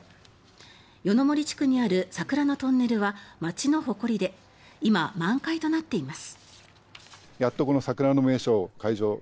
夜の森地区にある桜のトンネルは町の誇りで今、満開となっています。